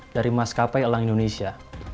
dari mas kapai elang indonesia